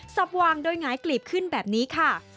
วางโดยหงายกลีบขึ้นแบบนี้ค่ะ